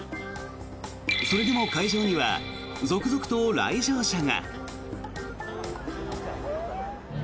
それでも会場には続々と来場者が。